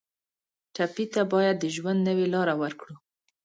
ټپي ته باید د ژوند نوې لاره ورکړو.